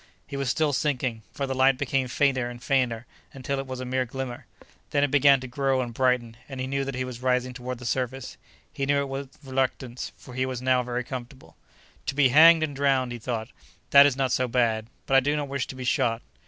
He was still sinking, for the light became fainter and fainter until it was a mere glimmer. Then it began to grow and brighten, and he knew that he was rising toward the surface—knew it with reluctance, for he was now very comfortable. "To be hanged and drowned," he thought, "that is not so bad; but I do not wish to be shot.